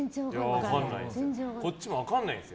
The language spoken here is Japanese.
分かんないです。